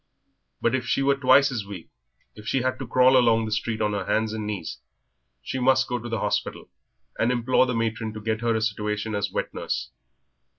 But if she were twice as weak, if she had to crawl along the street on her hands and knees, she must go to the hospital and implore the matron to get her a situation as wet nurse.